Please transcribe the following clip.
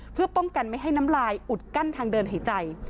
เพื่อป้องกันไม่ให้น้ำลายอุดกั้นทางเดินหายใจ